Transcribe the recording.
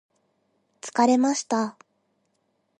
疲れました